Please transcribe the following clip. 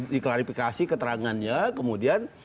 diklarifikasi keterangannya kemudian